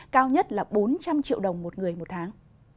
cao nhất là bốn trăm linh triệu đồng một người một tháng